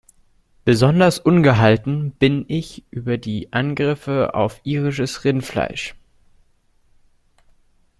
Besonders ungehalten bin ich über die Angriffe auf irisches Rindfleisch.